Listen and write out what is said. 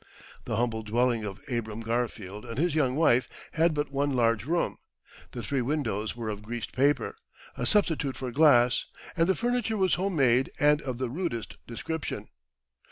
The humble dwelling of Abram Garfield and his young wife had but one large room. The three windows were of greased paper, a substitute for glass, and the furniture was home made and of the rudest description.